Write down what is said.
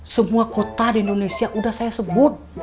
semua kota di indonesia sudah saya sebut